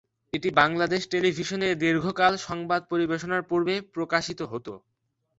এটি বাংলাদেশ টেলিভিশনে দীর্ঘকাল সংবাদ পরিবেশনের পূর্বে প্রকাশিত হত।